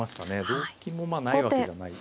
同金もまあないわけじゃない。